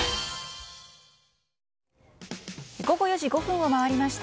午後４時５分を回りました。